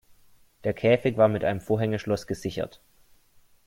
Der Käfig war mit einem Vorhängeschloss gesichert.